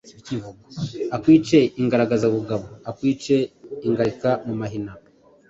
Akwice Ingaragazabugabo akwice Ingarika mu mahina